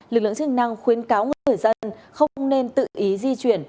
lực lượng chức năng khuyến cáo người dân không nên tự ý di chuyển